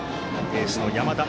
エースの山田。